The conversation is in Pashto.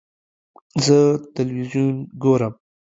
زه تلویزیون ګورم